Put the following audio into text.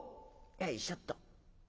「よいしょっと。